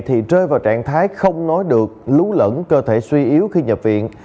thì rơi vào trạng thái không nói được lún lẫn cơ thể suy yếu khi nhập viện